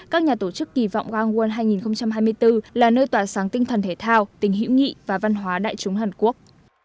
các nhà tổ chức kỳ vọng gangwon hai nghìn hai mươi bốn là nơi tỏa sáng tinh thần thể thao tình hữu nghị và văn hóa đại chúng hàn quốc